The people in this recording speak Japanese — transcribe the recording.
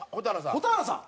蛍原さん！？